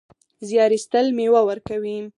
زیار ایستل مېوه ورکوي